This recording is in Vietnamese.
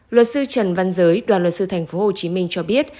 luật sư trần văn giới đoàn luật sư thành phố hồ chí minh cho biết